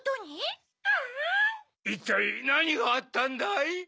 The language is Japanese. いったいなにがあったんだい？